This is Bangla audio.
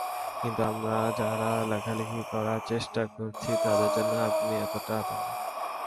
কিন্তু আমরা যারা লেখালেখি করার চেষ্টা করছি, তাদের জন্য আপনি একটা আতঙ্ক।